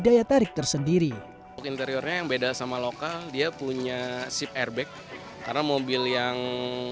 daya tarik tersendiri interiornya yang beda sama lokal dia punya sipe back karena mobil yang sembilan puluh enam